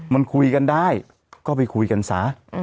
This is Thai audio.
มันคุยกันได้ก็ไปคุยกันซะ